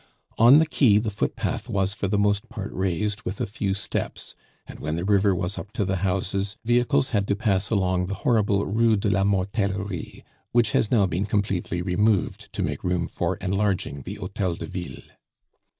On the quay the footpath was for the most part raised with a few steps; and when the river was up to the houses, vehicles had to pass along the horrible Rue de la Mortellerie, which has now been completely removed to make room for enlarging the Hotel de Ville.